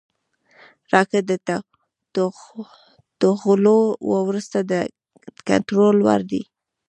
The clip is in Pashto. راکټ د توغولو وروسته د کنټرول وړ دی